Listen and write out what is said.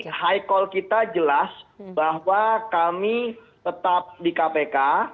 tapi high call kita jelas bahwa kami tetap di kpk